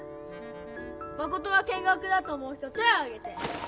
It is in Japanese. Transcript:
マコトは見学だと思う人手をあげて！